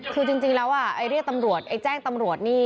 คือจริงแล้วไอ้เรียกตำรวจไอ้แจ้งตำรวจนี่